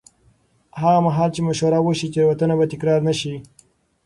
هغه مهال چې مشوره وشي، تېروتنه به تکرار نه شي.